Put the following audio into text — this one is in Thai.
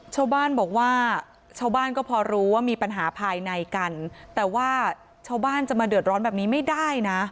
ชาวบ้านบอกว่าชาวบ้านก็พอรู้ว่ามีปัญหาภายในกันแต่ว่าชาวบ้านจะมาเดือดร้อนแบบนี้ไม่ได้นะ